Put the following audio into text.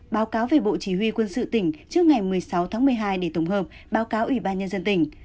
báo cáo về bộ chỉ huy quân sự tỉnh trước ngày một mươi sáu tháng một mươi hai để tổng hợp báo cáo ủy ban nhân dân tỉnh